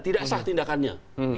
tidak sah tindakannya